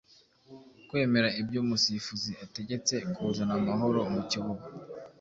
Kwemera ibyo umusifuzi ategetse kuzana amahoro mu kibuga.